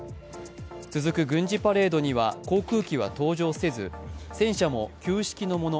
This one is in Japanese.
続く軍事パレードには航空機は登場せず、戦車も旧式のもの